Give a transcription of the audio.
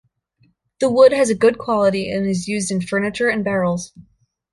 The wood has a good quality and is used in furniture and barrels.